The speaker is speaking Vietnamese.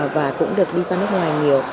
và cũng được đi ra nước ngoài nhiều